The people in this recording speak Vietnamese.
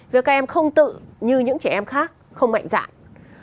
việc các em không tự như những trẻ em khác không mạnh dạng